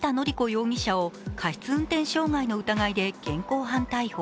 容疑者を過失運転傷害の疑いで現行犯逮捕。